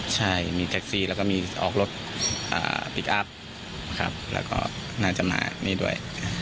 ใช่มีแท็กซี่แล้วก็มีออกรถพลิกอัพแล้วก็น่าจะมานี่ด้วย